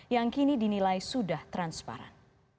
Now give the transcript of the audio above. yang kini dinilai sudah transparan